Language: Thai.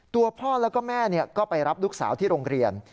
ตัวพ่อแล้วก็แม่ก็ไปรับลูกสาวที่โรงเรียน